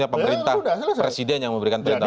pemerintah presiden yang memberikan perintah